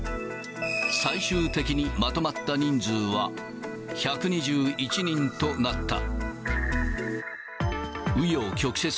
最終的にまとまった人数は、１２１人となった。